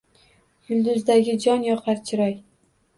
Yulduzdagi jon yoqar chiroy.